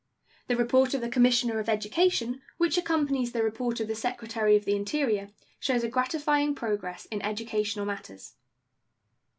The report of the Commissioner of Education, which accompanies the report of the Secretary of the Interior, shows a gratifying progress in educational matters.